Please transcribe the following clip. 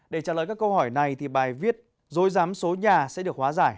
để trả lời các câu hỏi này thì bài viết dối giám số nhà sẽ được hóa giải